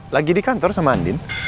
lagi di kantor sama andin